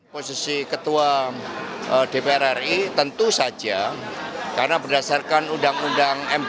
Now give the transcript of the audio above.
posisi ketua dpr ri tentu saja karena berdasarkan undang undang md tiga